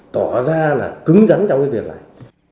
tỏ ra là cứng rắn trong cái việc này